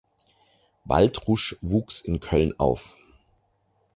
Baltrusch wuchs in Köln auf.